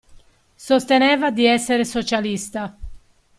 Sosteneva di essere socialista.